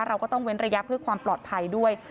เราก็ต้องเว้นระยะเพื่อความปลอดภัยด้วย